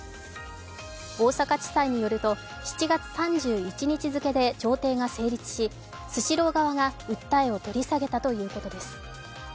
大阪地裁によると、７月３１日付で調停が成立し、スシロー側が訴えを取り下げたということです。